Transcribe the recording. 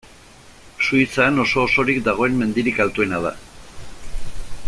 Suitzan oso-osorik dagoen mendirik altuena da.